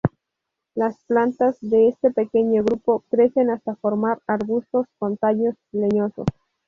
Las plantas de este pequeño grupo crecen hasta formar arbustos con tallos leñosos.